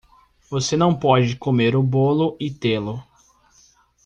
Você não pode comer o bolo e tê-lo